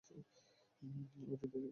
ওর হৃদয় হয়ে গেছে দেউলে।